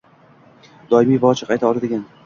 doimiy va ochiq ayta oladigan